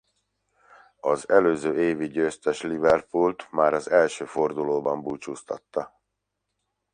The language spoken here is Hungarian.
Az előző évi győztes Liverpoolt már az első fordulóban búcsúztatta.